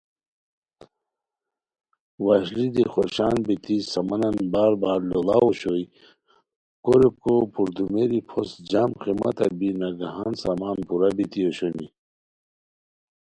وشلی دی خوشان بیتی سامانن بار بار لوڑاؤ اوشوئے کوریکو پردومیری پھوست جم قیمتہ بی نگہان سامان پورہ بیتی اوشونی